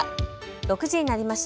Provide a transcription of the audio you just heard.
６時になりました。